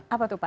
apa tuh pak